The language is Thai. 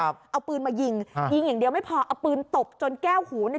เอาปืนมายิงยิงอย่างเดียวไม่พอเอาปืนตบจนแก้วหูเนี่ย